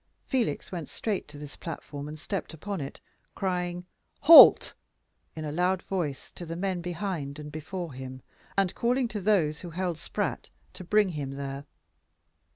Felix went straight to this platform and stepped upon it, crying "Halt!" in a loud voice to the men behind and before him, and calling to those who held Spratt to bring him there.